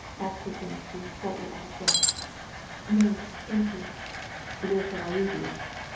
said Korsunsky, a little out of breath. "No, thank you!" "Where shall I take you?"